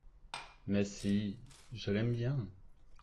Mais si… je l’aime bien.